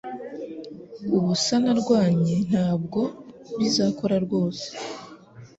Ubusa narwanye Ntabwo bizakora rwose